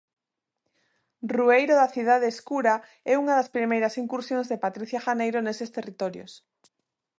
"Rueiro da cidade escura" é unha das primeiras incursións de Patricia Janeiro neses territorios.